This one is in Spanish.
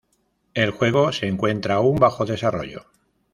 El juego se encuentra aún bajo desarrollo.